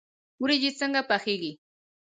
وریجې څنګه پخیږي؟